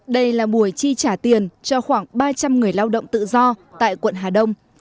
đây là buổi chi trả tiền cho khoảng ba trăm linh người lao động tự do tại quận hà đông